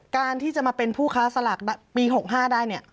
การที่จะมาเป็นผู้ค้าสลากปี๖๕ได้เนี่ย